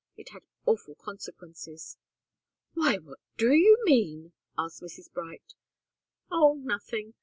It had awful consequences." "Why, what do you mean?" asked Mrs. Bright. "Oh nothing!